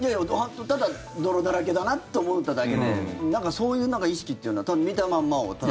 ただ、泥だらけだなって思っただけでなんかそういう意識というのは見たまんまをただ。